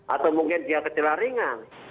atau mungkin dia gejala ringan